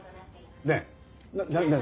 ねえ何？